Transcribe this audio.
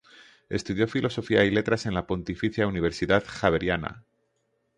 Estudió Filosofía y Letras en la Pontificia Universidad Javeriana.